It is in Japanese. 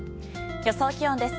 予想気温です。